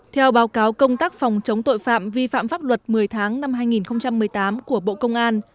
theo báo cáo công tác phòng chống tội phạm vi phạm pháp luật một mươi tháng năm hai nghìn một mươi tám của bộ công an